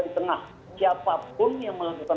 di tengah siapapun yang melakukan